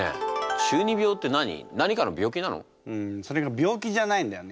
んそれが病気じゃないんだよね。